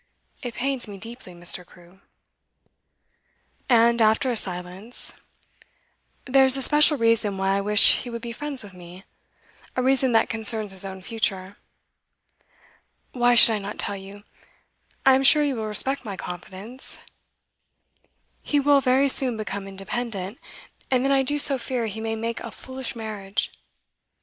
It pains me deeply, Mr Crewe.' And, after a silence: 'There's a special reason why I wish he would be friends with me, a reason that concerns his own future. Why should I not tell you? I am sure you will respect my confidence. He will very soon become independent, and then I do so fear he may make a foolish marriage.